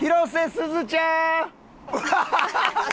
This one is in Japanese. すずちゃんや！